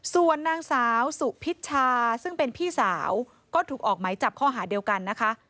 ส่วนนางสาวสุพิชชาซึ่งเป็นพี่สาวก็ถูกออกไหมจับข้อหาเดียวกันนะคะ